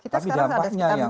tapi dampaknya yang